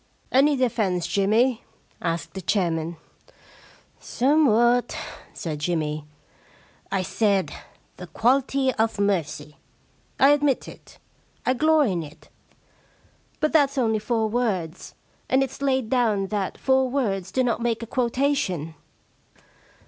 '* Any defence, Jimmy ?' asked the chairman. * Somewhat,' said Jimmy. * I said, The quality of mercy." I admit it. I glory in it. But that's only four words, and it's laid down that four words do not make a quotation.'